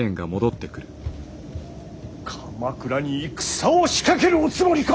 鎌倉に戦を仕掛けるおつもりか！